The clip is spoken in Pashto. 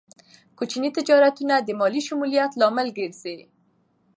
کوچني تجارتونه د مالي شمولیت لامل ګرځي.